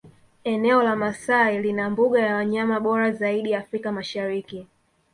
Eneo la Maasai lina mbuga ya wanyama bora zaidi Afrika Mashariki